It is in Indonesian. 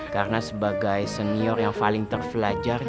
karena sebagai senior yang paling terpelajar